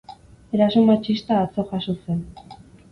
Eraso matxista atzo jazo zen.